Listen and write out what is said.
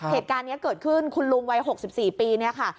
เหตุการณ์นี้เกิดขึ้นคุณลุงวัย๖๔ปีเนี่ยค่ะ